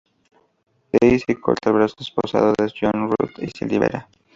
Daisy corta el brazo esposado de John Ruth y se libera.